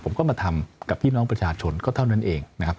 ผมก็มาทำกับพี่น้องประชาชนก็เท่านั้นเองนะครับ